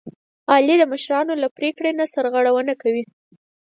علي د مشرانو له پرېکړې نه سرغړونه کوي.